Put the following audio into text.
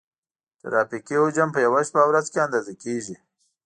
ترافیکي حجم په یوه شپه او ورځ کې اندازه کیږي